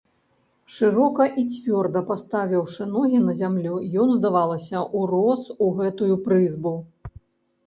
Шырока і цвёрда паставіўшы ногі на зямлю, ён, здавалася, урос у гэтую прызбу.